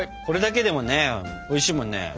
これだけでもねおいしいもんね。